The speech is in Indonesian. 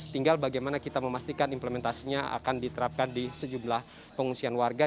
tinggal bagaimana kita memastikan implementasinya akan diterapkan di sejumlah pengungsian warga